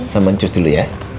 sama ncus dulu ya